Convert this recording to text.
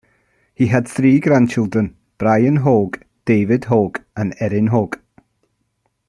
He had three grandchildren: Brian Hogue, David Hogue, and Erin Hogue.